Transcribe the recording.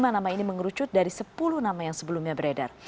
lima nama ini mengerucut dari sepuluh nama yang sebelumnya beredar